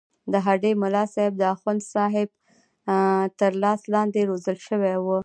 د هډې ملاصاحب د اخوندصاحب تر لاس لاندې روزل شوی وو.